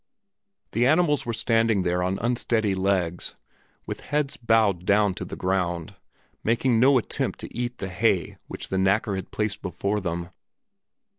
The animals were standing there on unsteady legs, with heads bowed down to the ground, making no attempt to eat the hay which the knacker had placed before them.